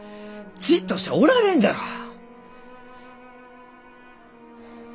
じっとしちゃおられんじゃろう？